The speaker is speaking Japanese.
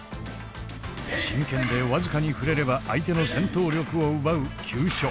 真剣で僅かに触れれば相手の戦闘力を奪う急所。